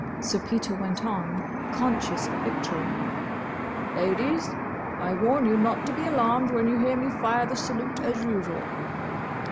Sir Peter went on, conscious of victory, "Ladies, I warn you not to be alarmed when you hear me fire the salute as usual!"